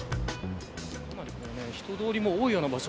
かなり人通りも多いような場所